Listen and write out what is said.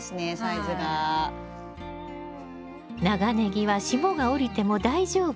長ネギは霜が降りても大丈夫。